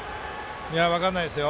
分からないですよ。